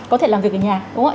có thể làm việc ở nhà đúng không ạ